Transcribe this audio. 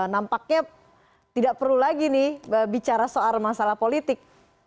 nampaknya tidak perlu lagi nih bicara soal masalah politik